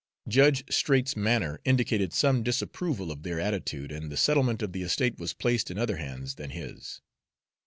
Judge Straight's manner indicated some disapproval of their attitude, and the settlement of the estate was placed in other hands than his.